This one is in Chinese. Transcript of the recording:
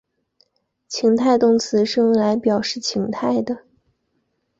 情态动词是用来表示情态的。